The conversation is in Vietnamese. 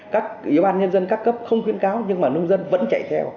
các yếu ban nhân dân các cấp không khuyên cáo nhưng mà nông dân vẫn chạy theo